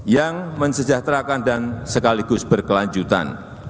yang mensejahterakan dan sekaligus berkelanjutan